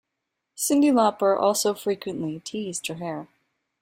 Cyndi Lauper also frequently "teased" her hair.